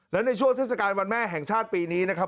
และในช่วงเทศกาลวันแม่แห่งชาติปีนี้นะครับ